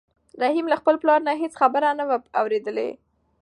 رحیم له خپل پلار نه هېڅ ښه خبره نه وه اورېدلې.